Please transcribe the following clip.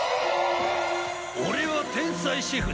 俺は天才シェフだ。